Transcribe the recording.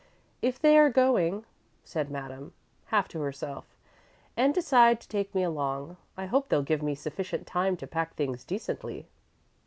'" "If they are going," said Madame, half to herself, "and decide to take me along, I hope they'll give me sufficient time to pack things decently."